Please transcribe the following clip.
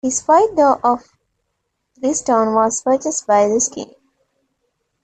His "White Doe of Rylstone" was purchased by Ruskin.